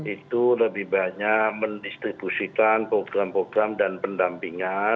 itu lebih banyak mendistribusikan program program dan pendampingan